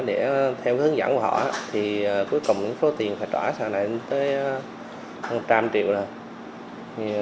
để theo hướng dẫn của họ thì cuối cùng số tiền phải trả sau này đến một trăm linh triệu rồi